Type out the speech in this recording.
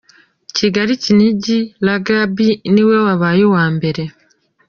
Kigali-Kinigi: Lagab niwe wabaye uwa mbere.